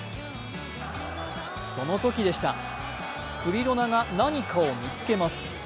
そのときでした、クリロナが何かを見つけます。